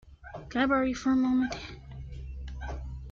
Can I borrow you for a moment?